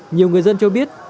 nhiều người dân cho biết